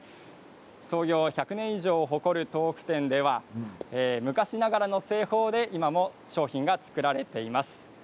創業１００年以上を誇る豆腐店では昔ながらの製法で今も商品が造られています。